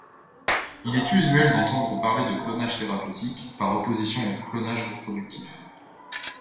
Il est usuel d'entendre parler de clonage thérapeutique, par opposition au clonage reproductif.